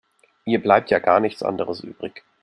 Ihr bleibt ja gar nichts anderes übrig.